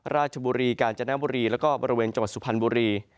ราชบุรีกาญจนบุรีแล้วก็บริเวณจังหวัดสุพรรณบุรี